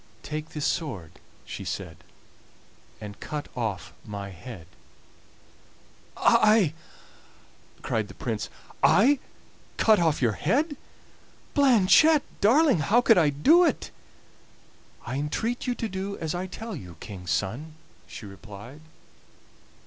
"Take this sword," she said, "and cut off my head!" "I!" cried the Prince, "I cut off your head! Blanchette darling, how could I do it?" "I entreat you to do as I tell you, King's son," she replied.